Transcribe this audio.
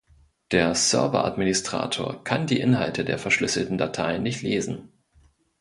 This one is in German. Der Server-Administrator kann die Inhalte der verschlüsselten Dateien nicht lesen.